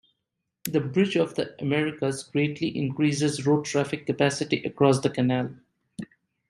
The Bridge of the Americas greatly increases road traffic capacity across the Canal.